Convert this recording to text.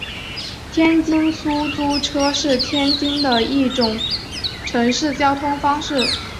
天津出租车是天津的一种城市交通方式。